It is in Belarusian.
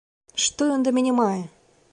Што ён да мяне мае?